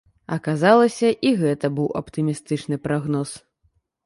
Аказалася, і гэта быў аптымістычны прагноз.